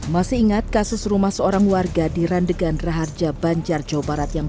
masih ingat kasus rumah seorang warga di randegan raharja banjar jawa barat yang